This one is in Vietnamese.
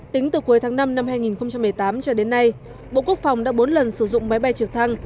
tính từ cuối tháng năm năm hai nghìn một mươi tám cho đến nay bộ quốc phòng đã bốn lần sử dụng máy bay trực thăng